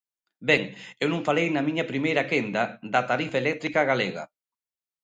Ben, eu non falei na miña primeira quenda da tarifa eléctrica galega.